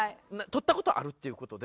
撮った事はあるっていう事で。